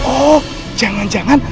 oh jangan jangan